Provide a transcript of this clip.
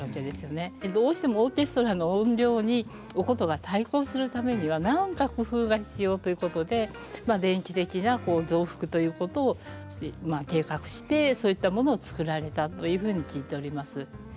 どうしてもオーケストラの音量にお箏が対抗するためには何か工夫が必要ということで電気的な増幅ということを計画してそういったものを作られたというふうに聞いております。